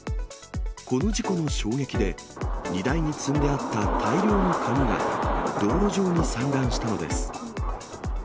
この事故の衝撃で、荷台に積んであった大量の紙が、道路上に散乱したのです。